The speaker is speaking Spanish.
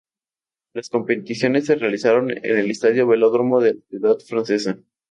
Las competiciones se realizaron en el Estadio Velódromo de la ciudad francesa.